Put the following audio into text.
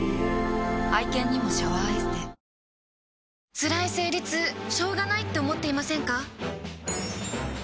つらい生理痛しょうがないって思っていませんか？